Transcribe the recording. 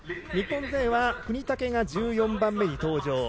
日本勢は國武が１４番目に登場